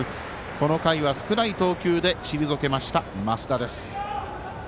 この回は少ない投球で退けました増田です。